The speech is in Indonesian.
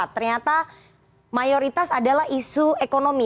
ternyata mayoritas adalah isu ekonomi